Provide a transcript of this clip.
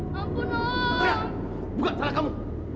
cepat buka cara kamu